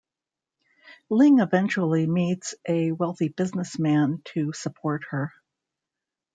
Ling eventually meets a wealthy businessman to support her.